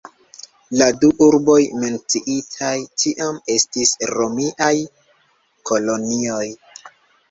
La du urboj menciitaj tiam estis romiaj kolonioj.